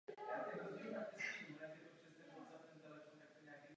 Pořádá se jednou za čtyři roky.